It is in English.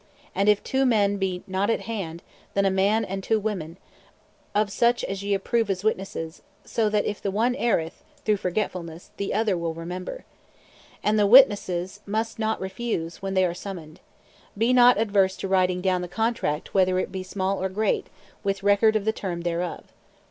And if two men be not (at hand) then a man and two women, of such as ye approve as witnesses, so that if the one erreth (through forgetfulness) the other will remember. And the witnesses must not refuse when they are summoned. Be not averse to writing down (the contract) whether it be small or great, with (record of) the term thereof.